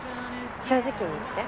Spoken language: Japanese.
正直に言って。